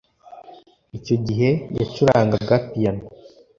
Icyo gihe yacurangaga piyano